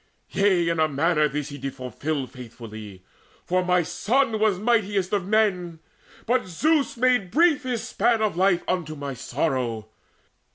Yea, in a manner this did he fulfil Faithfully; for my son was mightiest Of men. But Zeus made brief his span of life Unto my sorrow.